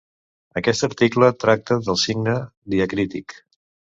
Aquest article tracta del signe diacrític.